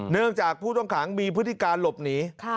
เนื่องจากผู้ต้องขังมีพฤติการหลบหนี